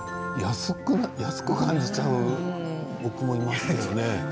安く感じちゃう僕もいますよね。